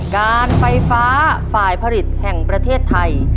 การไฟฟ้าฝ่ายผลิตแห่งประเทศไทย